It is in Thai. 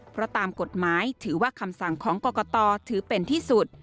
เพราะตามกฎหมายถือว่าคำสั่งของกรกตถือเป็นที่สุด